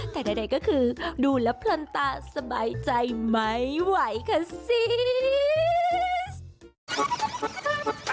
แต่ใดก็คือดูแล้วพลันตาสบายใจไหมไหวคะซีส